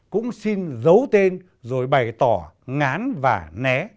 cũng xin giấu tên rồi bày tỏ ngán và né